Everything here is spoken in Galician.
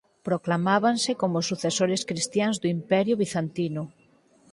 Proclamábanse como os sucesores cristiáns do Imperio Bizantino.